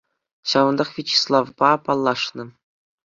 Ҫавӑнтах Вячеславпа паллашнӑ.